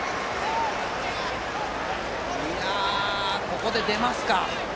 ここで出ますか。